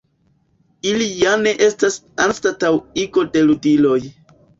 Ili ja ne estas anstataŭigo de ludiloj.